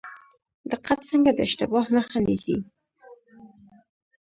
دقت څنګه د اشتباه مخه نیسي؟